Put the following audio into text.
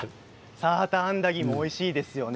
サーターアンダギーもおいしいですよね。